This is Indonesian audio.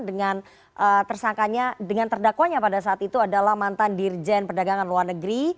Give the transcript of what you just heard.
dengan tersangkanya dengan terdakwanya pada saat itu adalah mantan dirjen perdagangan luar negeri